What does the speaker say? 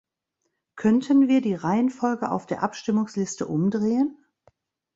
Könnten wir die Reihenfolge auf der Abstimmungsliste umdrehen?